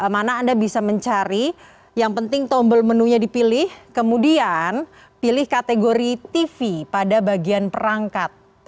mana anda bisa mencari yang penting tombol menu nya dipilih kemudian pilih kategori tv pada bagian perangkat